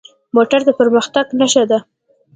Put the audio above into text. موټر د پرمختګ نښه ده.